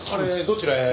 どちらへ？